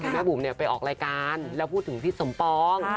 แม่บุ๋มไปออกรายการแล้วพูดถึงพี่สมปอง